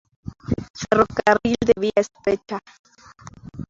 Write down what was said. Ferrocarril de vía estrecha